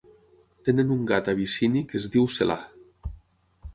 Tenen un gat abissini que es diu Selah.